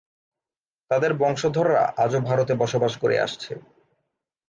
তাদের বংশধররা আজও ভারতে বসবাস করে আসছে।